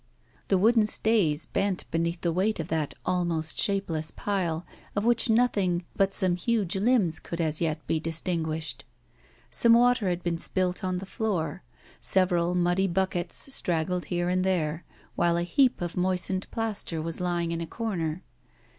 The wooden stays bent beneath the weight of that almost shapeless pile, of which nothing but some huge limbs could as yet be distinguished. Some water had been spilt on the floor, several muddy buckets straggled here and there, while a heap of moistened plaster was lying in a corner.